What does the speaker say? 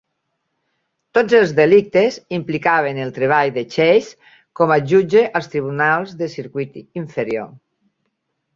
Tots els delictes implicaven el treball de Chase com a jutge als tribunals de circuit inferior.